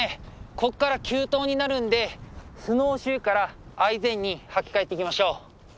こっから急登になるんでスノーシューからアイゼンに履き替えていきましょう。